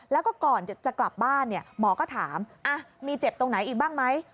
แล้วก็ก่อนจะกลับบ้านหมอก็ถามมีเจ็บตรงไหนอีกบ้างไหม